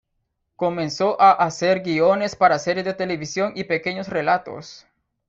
Comenzó a hacer guiones para series de televisión y pequeños relatos.